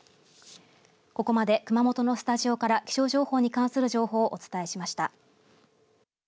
ここまで熊本のスタジオから気象情報に関する情報をお伝えしました。